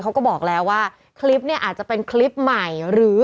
เขาก็บอกแล้วว่าคลิปเนี่ยอาจจะเป็นคลิปใหม่หรือ